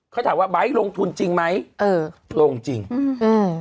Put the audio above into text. เขาถามว่าไบท์ลงทุนจริงไหมเออลงจริงอืมอืม